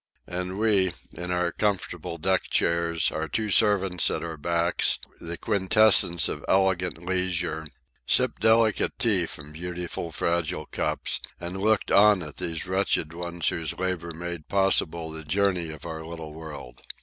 And we, in our comfortable deck chairs, our two servants at our backs, the quintessence of elegant leisure, sipped delicate tea from beautiful, fragile cups, and looked on at these wretched ones whose labour made possible the journey of our little world.